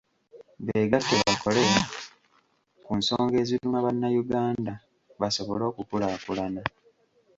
Beegatte bakole ku nsonga eziruma bannayuganda, basobole okukulaakulana.